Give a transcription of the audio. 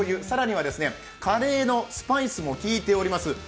更にはカレーのスパイスもきいております。